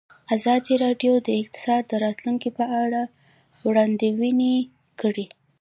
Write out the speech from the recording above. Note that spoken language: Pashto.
ازادي راډیو د اقتصاد د راتلونکې په اړه وړاندوینې کړې.